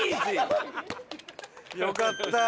よかったー！